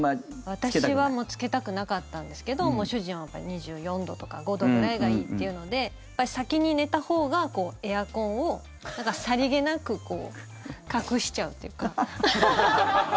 私はつけたくなかったんですけど主人は２４度とか２５度ぐらいがいいっていうので先に寝たほうがエアコンをさりげなく隠しちゃうというか。